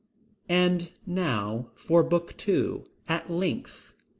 And now for book two, at length.